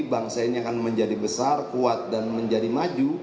bangsa ini akan menjadi besar kuat dan menjadi maju